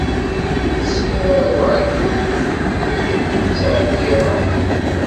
Ur d-tesliḍ ara i uɛeyyeḍ i n-nettɛeyyideɣ.